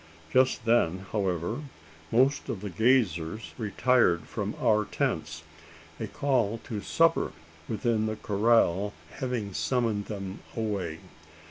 Just then, however, most of the gazers retired from our tents a call to supper within the corral having summoned them away.